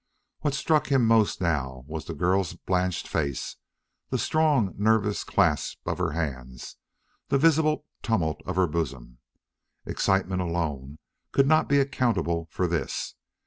What struck him most now was the girl's blanched face, the strong, nervous clasp of her hands, the visible tumult of her bosom. Excitement alone could not be accountable for this.